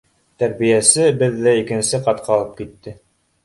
Тәрбиәсе беҙҙе икенсе ҡатҡа алып китте.